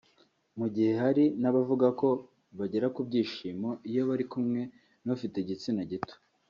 mu gihe hari n’abavuga ko bagera ku byishimo iyo bari kumwe n’ufite igitsina gito